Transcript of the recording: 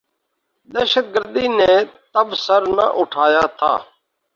دہشت گردی نے تب سر نہ اٹھایا تھا۔